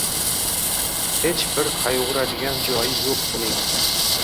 Hech bir qayg‘uradigan joyi yo‘q buning.